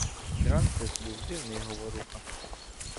Дрансес був дивний говоруха